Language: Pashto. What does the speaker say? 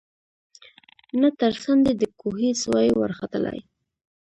نه تر څنډی د کوهي سوای ورختلای